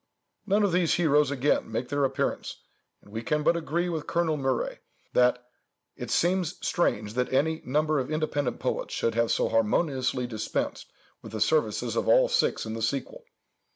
None of these heroes again make their appearance, and we can but agree with Colonel Mure, that "it seems strange that any number of independent poets should have so harmoniously dispensed with the services of all six in the sequel."